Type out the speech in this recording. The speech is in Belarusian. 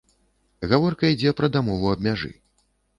Гаворка ідзе пра дамову аб мяжы.